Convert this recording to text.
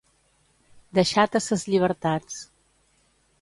Deixat a ses llibertats.